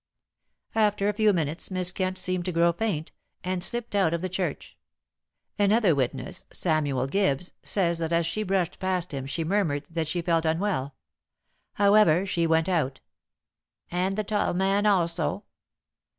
"After a few minutes Miss Kent seemed to grow faint, and slipped out of the church. Another witness Samuel Gibbs says that as she brushed past him she murmured that she felt unwell. However, she went out." "And the tall man also?"